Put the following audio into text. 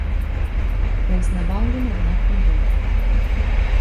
Праіснаваў ён, аднак, не доўга.